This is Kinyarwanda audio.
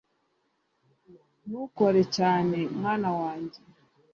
ntukore cyane mwana wanjye